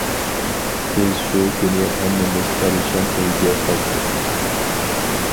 بىز شۇ كۈنى ھەممىمىز پەرىشان ئۆيگە قايتتۇق.